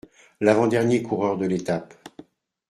L’avant-dernier coureur de l’étape.